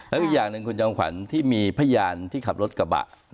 แล้วอีกอย่างหนึ่งคุณจอมขวัญที่มีพยานที่ขับรถกระบะ